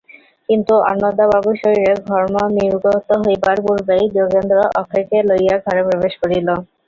কিন্তু অন্নদাবাবুর শরীরে ঘর্ম নির্গত হইবার পূর্বেই যোগেন্দ্র অক্ষয়কে লইয়া ঘরে প্রবেশ করিল।